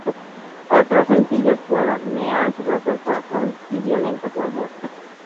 Otros sencillos fueron "Me has roto el corazón" y "Violento tu amor".